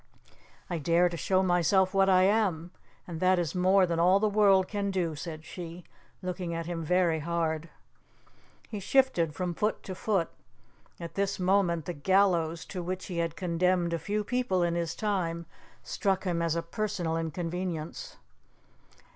"I dare to show myself what I am, and that is more than all the world can do," said she, looking at him very hard. He shifted from foot to foot. At this moment the gallows, to which he had condemned a few people in his time, struck him as a personal inconvenience.